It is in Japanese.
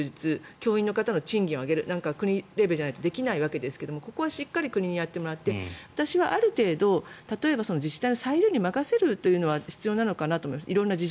教員の方の賃金を上げるのは国レベルじゃないとできないわけですがここはしっかり国にやってもらって私はある程度自治体の裁量に任せるというのも必要なのかなと思います。